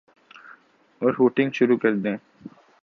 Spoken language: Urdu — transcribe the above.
اورہوٹنگ شروع کردیں۔